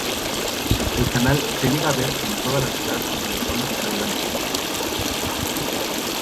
El canal se llega a ver en toda la ciudad y en zonas aledañas.